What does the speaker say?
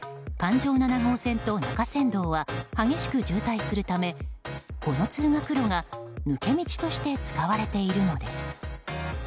環状７号線と中山道は激しく渋滞するためこの通学路が抜け道として使われているのです。